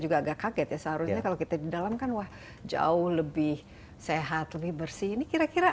juga agak kaget ya seharusnya kalau kita di dalam kan wah jauh lebih sehat lebih bersih ini kira kira